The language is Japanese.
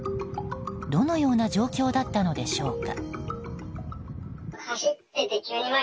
どのような状況だったのでしょうか。